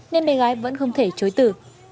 nên mẹ gái vẫn không thể chối từ